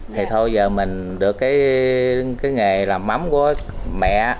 thì thôi giờ mình được cái nghề làm mắm của mẹ